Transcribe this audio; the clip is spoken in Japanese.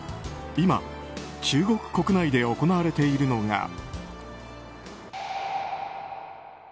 今、中国国内で行われているのが。